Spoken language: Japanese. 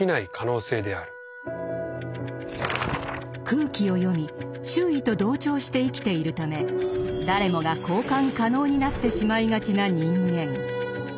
空気を読み周囲と同調して生きているため誰もが交換可能になってしまいがちな人間。